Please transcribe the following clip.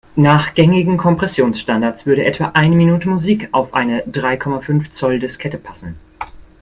Nach gängigen Kompressionsstandards würde etwa eine Minute Musik auf eine drei Komma fünf Zoll-Diskette passen.